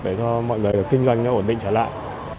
để cho mọi người kinh doanh nó ổn định trở lại